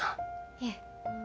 いえ。